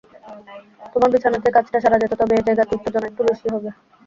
তোমার বিছানাতেই কাজটা সারা যেত, তবে এ জায়গাতে উত্তেজনা একটু বেশি হবে।